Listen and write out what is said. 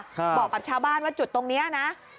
บอกกับชาวบ้านว่าจุดตรงนี้นะ